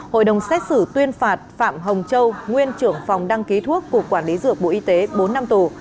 hội đồng xét xử tuyên phạt phạm hồng châu nguyên trưởng phòng đăng ký thuốc cục quản lý dược bộ y tế bốn năm tù